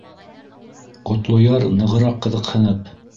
Ҡотлояр, нығыраҡ ҡыҙыҡһынып: